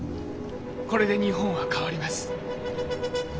これで日本は変わります。